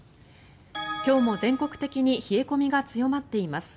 今日も全国的に冷え込みが強まっています。